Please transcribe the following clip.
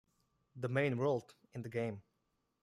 The main world in the game.